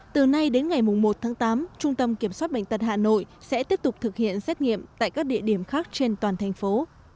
từ nay đến ngày một tháng tám trung tâm kiểm soát bệnh tật hà nội sẽ tiếp tục thực hiện xét nghiệm tại các địa điểm khác trên toàn thành phố